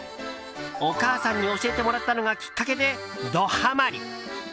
お母さんに教えてもらったのがきっかけでドハマり！